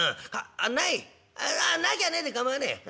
ああなきゃねえで構わねえよ。